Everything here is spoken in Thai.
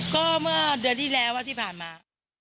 ก็เมื่อเดือนที่แล้วที่ผ่านมา